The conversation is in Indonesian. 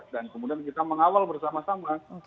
dan kemudian kita mengawal bersama sama